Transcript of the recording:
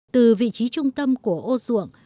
từ vị trí trung tâm của ô ruộng